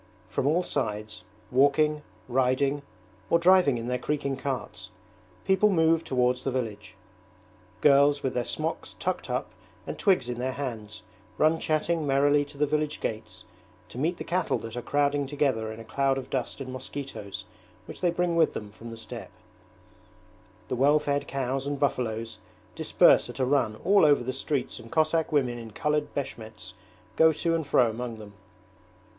From all sides, walking, riding, or driving in their creaking carts, people move towards the village. Girls with their smocks tucked up and twigs in their hands run chatting merrily to the village gates to meet the cattle that are crowding together in a cloud of dust and mosquitoes which they bring with them from the steppe. The well fed cows and buffaloes disperse at a run all over the streets and Cossack women in coloured beshmets go to and fro among them.